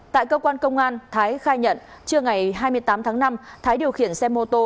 tại cơ quan công an thái khai nhận trưa ngày hai mươi tám tháng năm thái điều khiển xe mô tô